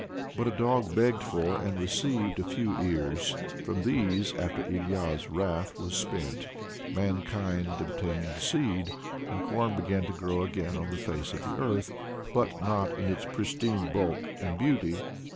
But a dog begged for, and received a few ears. From these, after Ilya's wrath was spent, mankind obtained seed, and corn began to grow again on the face of the earth, but not in its pristine bulk and beauty.